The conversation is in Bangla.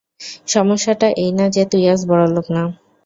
সমস্যাটা এই না যে, তুই আজ বড়লোক না।